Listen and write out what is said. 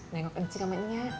nengok encik namanya